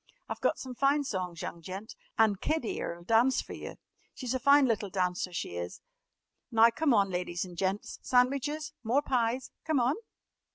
I've got some fine songs, young gent. And Kid 'ere 'll dance fer yer. She's a fine little dancer, she is! Now, come on, ladies an' gents, sandwiches? More pies? Come on!"